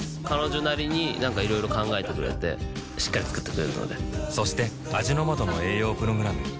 彼女なりになんかいろいろ考えてくれてしっかり作ってくれるのでそして味の素の栄養プログラム